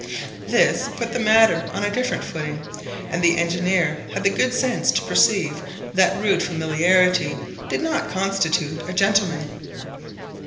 This put the matter on a different footing, and the engineer had the good sense to perceive that rude familiarity did not constitute a gentleman.